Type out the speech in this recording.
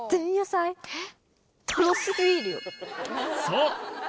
そう！